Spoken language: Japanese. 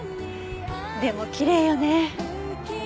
でもきれいよね。